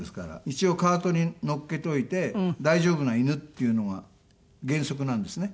一応カートに乗っけといて大丈夫な犬っていうのが原則なんですね。